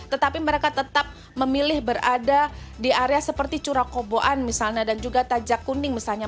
tetapi mereka tetap memilih berada di area seperti curakoboan misalnya dan juga tajak kuning misalnya